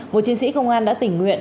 một chiến sĩ công an đã tỉnh nguyện